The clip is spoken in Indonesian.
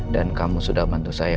dan kamu sudah bantu saya